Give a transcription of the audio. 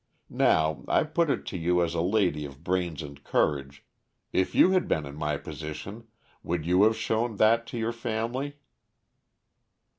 "Now, I put it to you as a lady of brains and courage, if you had been in my position, would you have shown that to your family?"